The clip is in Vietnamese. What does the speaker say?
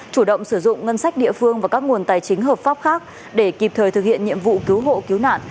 chủ động sử dụng ngân sách địa phương và các nguồn tài chính hợp pháp khác để kịp thời thực hiện nhiệm vụ cứu hộ cứu nạn